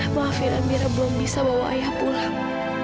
maafin amirah belum bisa bawa ayah pulang